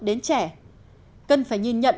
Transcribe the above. đến trẻ cần phải nhìn nhận